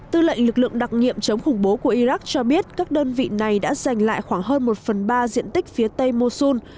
tư lệnh lực lượng đặc nhiệm chống khủng bố của iraq cho biết các đơn vị này đã giành lại khoảng hơn một phần ba diện tích phía tây mosul